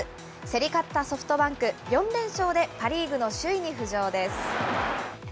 競り勝ったソフトバンク、４連勝でパ・リーグの首位に浮上です。